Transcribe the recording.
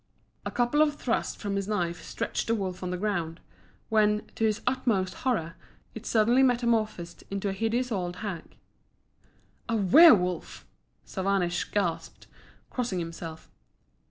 A couple of thrusts from his knife stretched the wolf on the ground, when, to his utmost horror, it suddenly metamorphosed into a hideous old hag. "A werwolf!" Savanich gasped, crossing himself.